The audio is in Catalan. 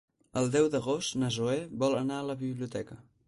El deu d'agost na Zoè vol anar a la biblioteca.